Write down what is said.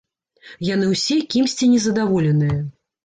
Яны ўсе кімсьці незадаволеныя.